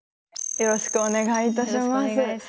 よろしくお願いします。